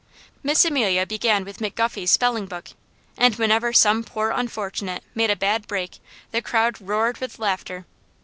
Miss Amelia began with McGuffey's spelling book, and whenever some poor unfortunate made a bad break the crowd roared with laughter.